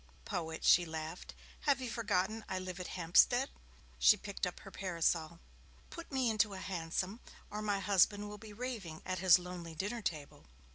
'Poet!' she laughed. 'Have you forgotten I live at Hampstead?' She picked up her parasol. 'Put me into a hansom, or my husband will be raving at his lonely dinner table.'